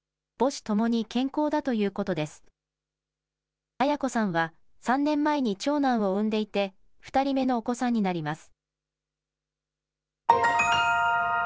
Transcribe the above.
絢子さんは３年前に長男を産んでいて２人目のお子さんになります。